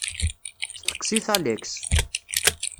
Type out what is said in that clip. Steqsit Alex.